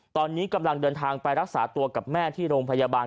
ตอนนี้กำลังเดินทางไปรักษาตัวกับแม่ที่โรงพยาบาล